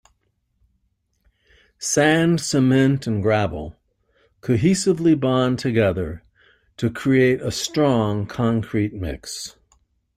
Sand, Cement and Gravel cohesively bond together to create a strong concrete mix.